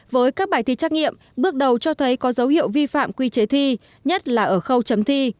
với các bài thi trắc nghiệm bước đầu cho thấy có dấu hiệu vi phạm quy chế thi nhất là ở khâu chấm thi